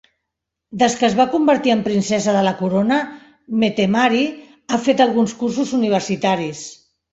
Des que es va convertir en princesa de la corona, Mette-Marit ha fet alguns cursos universitaris.